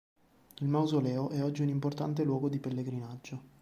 Il mausoleo è oggi un importante luogo di pellegrinaggio.